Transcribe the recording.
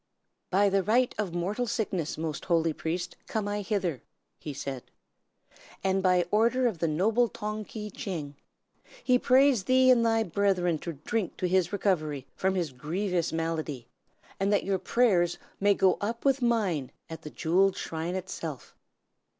"By the right of mortal sickness, most holy priest, come I hither!" he said, "and by order of the noble Tong Ki Tcheng. He prays thee and thy brethren to drink to his recovery from his grievous malady, and that your prayers may go up with mine at the Jewelled Shrine itself."